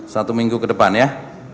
satu minggu ke depan ya